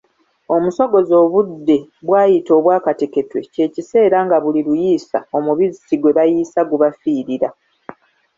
"Omusogozi obudde bw'ayita obwakateketwe kye kiseera nga buli luyiisa, omubisi gwe bayiisa gubafiirira"